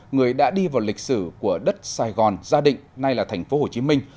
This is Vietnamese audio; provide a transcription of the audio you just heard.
người đã đi vào lịch sử của đất sài gòn gia định nay là thành phố hồ chí minh